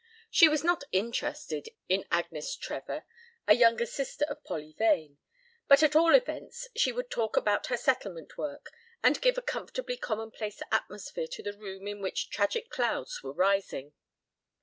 She was not interested in Agnes Trevor, a younger sister of Polly Vane, but at all events she would talk about her settlement work and give a comfortably commonplace atmosphere to the room in which tragic clouds were rising.